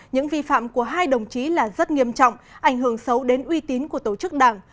những vi phạm của hai đồng chí là rất nghiêm trọng ảnh hưởng xấu đến uy tín của tổ chức đảng